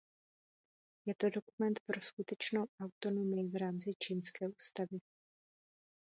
Je to dokument pro skutečnou autonomii v rámci čínské ústavy.